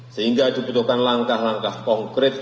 sehingga dibutuhkan langkah langkah konkret